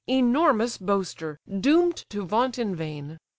Enormous boaster! doom'd to vaunt in vain.